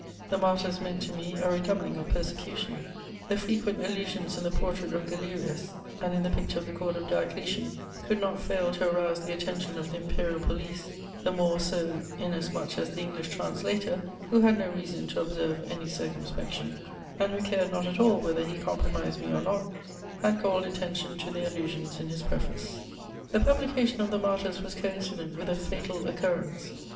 The Martyrs meant to me a redoubling of persecution: the frequent allusions in the portrait of Galerius and in the picture of the Court of Diocletian could not fail to arouse the attention of the imperial police, the more so inasmuch as the English translator, who had no reason to observe any circumspection, and who cared not at all whether he compromised me or not, had called attention to the allusions in his preface. The publication of the Martyrs was coincident with a fatal occurrence.